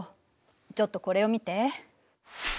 ちょっとこれを見て。